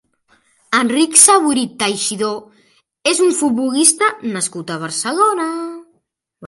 Enric Saborit Teixidor és un futbolista nascut a Barcelona.